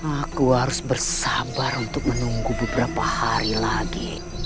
aku harus bersabar untuk menunggu beberapa hari lagi